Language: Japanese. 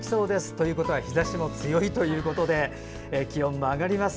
ということは日ざしも強いということで気温も上がります。